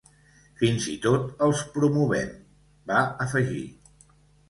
Fins i tot els promovem, va afegir.